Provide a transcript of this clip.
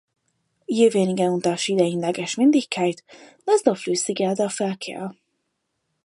Je weniger Unterschiede in der Geschwindigkeit, desto flüssiger der Verkehr.